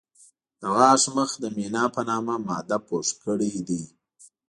د غاښ مخ د مینا په نامه ماده پوښ کړی دی.